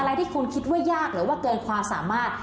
อะไรที่คุณคิดว่ายากหรือว่าเกินความสามารถ